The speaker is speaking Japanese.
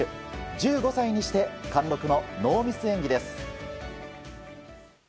１５歳にして貫禄のノーミス演技です。